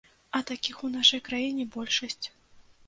А такіх у нашай краіне большасць.